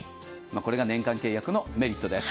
これが年間契約のメリットです。